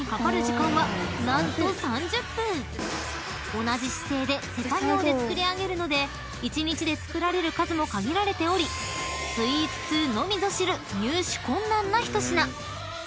［同じ姿勢で手作業で作り上げるので一日で作られる数も限られておりスイーツ通のみぞ知る入手困難な一品］